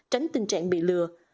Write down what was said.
tránh tình trạng bị lừa